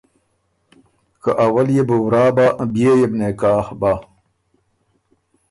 که اول يې بو ورا بۀ بيې يې بُو نکاح بۀ